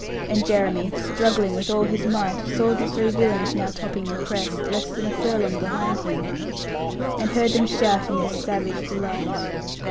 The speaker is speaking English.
And Jeremy, struggling with all his might, saw the three villains now topping the crest, less than a furlong behind him; and heard them shout in their savage delight.